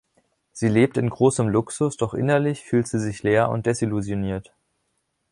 Sie lebt in großem Luxus, doch innerlich fühlt sie sich leer und desillusioniert.